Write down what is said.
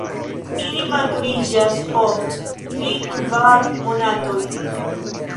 Ili maturiĝas post tri-kvar monatoj.